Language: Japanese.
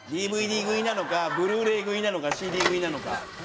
ＤＶＤ食いなのかブルーレイ食いなのかＣＤ食いなのか。